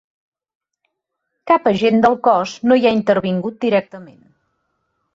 Cap agent del cos no hi ha intervingut directament.